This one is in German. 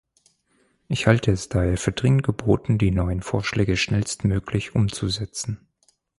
Ich halte es daher für dringend geboten, die neuen Vorschläge schnellstmöglich umzusetzen.